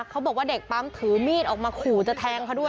เขาบอกว่าเด็กปั๊มถือมีดออกมาขู่จะแทงเขาด้วย